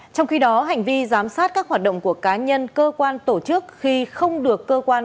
trong khi đó hành vi giám sát các hoạt động của cá nhân cơ quan tổ chức khi không được cơ quan